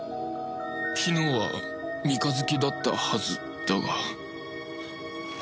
昨日は三日月だったはずだが